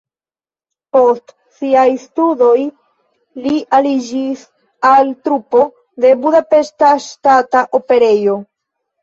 Post siaj studoj li aliĝis al trupo de Budapeŝta Ŝtata Operejo.